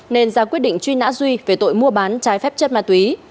nên ra quyết định truy nã duy về tội mua bán trái phép chất ma túy